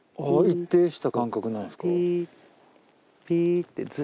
一定した間隔なんすか。